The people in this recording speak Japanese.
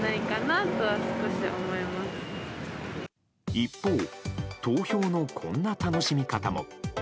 一方、投票のこんな楽しみ方も。